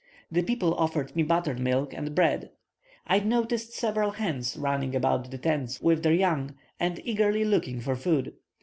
The people offered me buttermilk and bread. I noticed several hens running about the tents with their young, and eagerly looking for food.